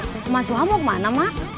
mak mas suha mau kemana mak